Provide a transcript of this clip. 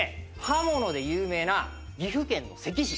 刃物で有名な岐阜県の関市。